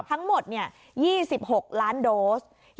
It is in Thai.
ทั้งหมด๒๖ล้านโดส